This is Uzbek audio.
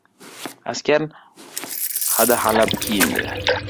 Askar hadahalab kiyindi.